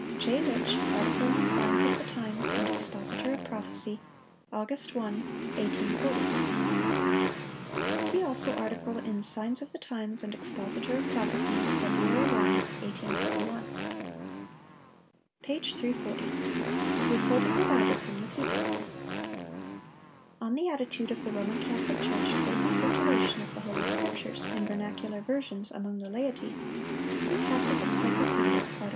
J. Litch, article in Signs of the Times, and Expositor of Prophecy, Aug. 1, 1840. See also article in Signs of the Times, and Expositor of Prophecy, Feb. 1, 1841. Page 340. WITHHOLDING THE BIBLE FROM THE PEOPLE.—On the attitude of the Roman Catholic Church toward the circulation of the Holy Scriptures, in vernacular versions, among the laity, see Catholic Encyclopædia, art.